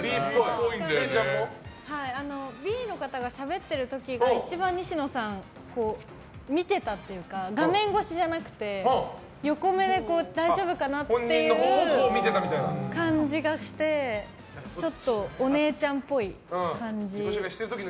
Ｂの方がしゃべっている時が一番、西野さんが見てたというか画面越しじゃなくて横目で大丈夫かなっていう感じがしてちょっとお姉ちゃんっぽい感じ。